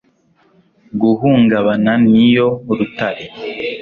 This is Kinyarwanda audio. guhungabana ni yo rutare